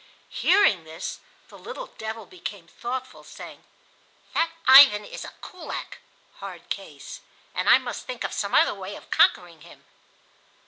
Hearing this, the little devil became thoughtful, saying: "That Ivan is a koolak [hard case], and I must think of some other way of conquering him."